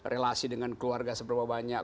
relasi dengan keluarga seberapa banyak